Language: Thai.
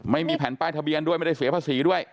ไม่มีแผ่นป้ายทะเบียนด้วยไม่ได้เสียภาษีด้วย